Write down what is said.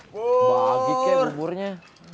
bagit ya bur burnya